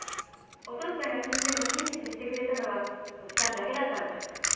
お父っつぁんが死んでも親切にしてくれたのはおじさんだけだったもん。